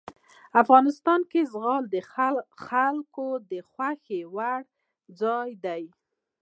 افغانستان کې زغال د خلکو د خوښې وړ ځای دی.